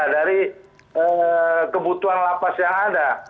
dari kebutuhan lapas yang ada